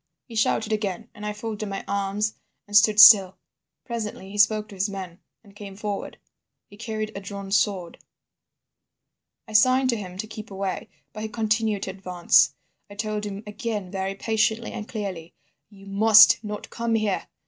"He shouted again, and I folded my arms and stood still. Presently he spoke to his men and came forward. He carried a drawn sword. "I signed to him to keep away, but he continued to advance. I told him again very patiently and clearly: 'You must not come here.